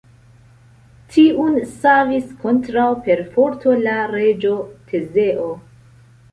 Tiun savis kontraŭ perforto la reĝo Tezeo.